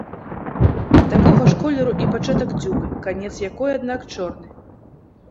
Такога ж колеру і пачатак дзюбы, канец якой, аднак, чорны.